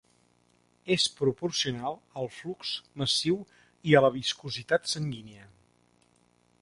És proporcional al flux massiu i a la viscositat sanguínia.